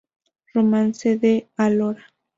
Romance de Álora.